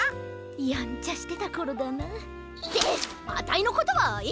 やんちゃしてたころだな。ってあたいのことはいいんだよ！